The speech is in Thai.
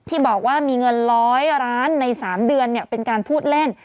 ที่บอกว่ามีเงิน๑๐๐ล้านใน๓เดือนเป็นการพูดเล่น